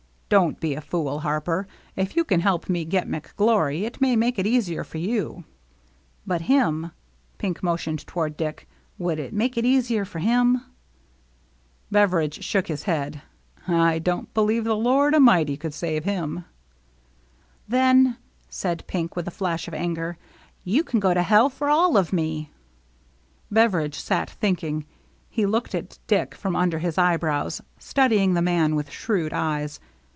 " Don't be a fool. Harper. If you can help me get McGlory, it may make it easier for you." " But him —" Pink motioned toward Dick —" would it make it easier for him ?" Beveridge shook his head. "I don't be lieve the Lord a'mighty could save him." 220 THE MERRT ANNE "Then," said Pink, with a flash of anger, " you can go to hell for all o' me !" Beveridge sat thinking. He looked at Dick from under his eyebrows, studying the man with shrewd eyes.